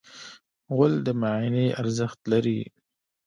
غول د معاینې ارزښت لري.